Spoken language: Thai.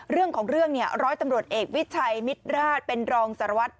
เรื่องของเรื่องเนี่ยร้อยตำรวจเอกวิชัยมิตรราชเป็นรองสารวัตร